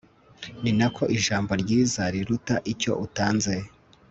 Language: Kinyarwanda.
ni na ko ijambo ryiza riruta icyo utanze